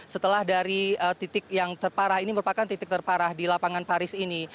setelah dari titik yang terparah ini merupakan titik terparah di lapangan paris ini